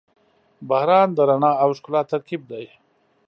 • باران د رڼا او ښکلا ترکیب دی.